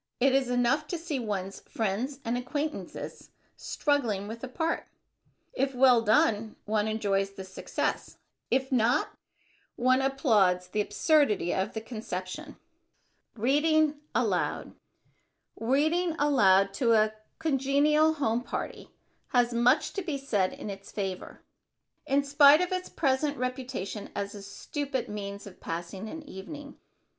It is enough to see one's friends and acquaintances struggling with a part. If well done, one enjoys the success; if not, one applauds the absurdity of the conception. [Sidenote: READING ALOUD] Reading aloud to a congenial home party has much to be said in its favor, in spite of its present reputation as a stupid means of passing an evening.